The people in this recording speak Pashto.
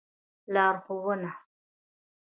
لار ښوونه